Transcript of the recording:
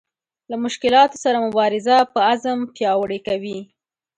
له مشکلاتو سره مبارزه په عزم پیاوړې کوي.